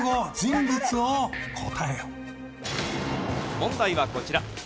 問題はこちら。